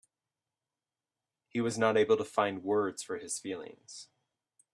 He was not able to find words for his feelings.